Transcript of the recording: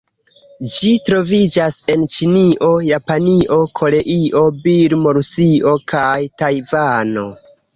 Ĝi troviĝas en Ĉinio, Japanio, Koreio, Birmo, Rusio kaj Tajvano.